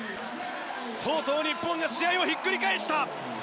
とうとう日本が試合をひっくり返した！